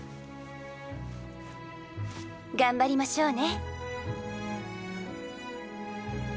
頑張りましょうね。